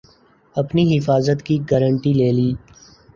اپنی حفاظت کی گارنٹی لے لی